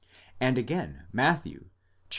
and again Matthew (xv.